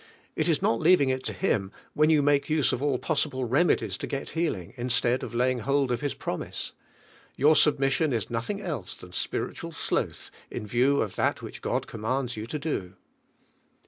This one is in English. It is not leaving it to Hbaa when you make use of all possible remedies to got healing, In stead of laying hold of His promise, 154 DIVINE HEALINC1. Your submission is nothing else than spiritual sloth ill view of that which God commands you to do.